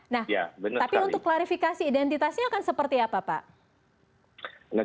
nah tapi untuk klarifikasi identitasnya akan seperti apa pak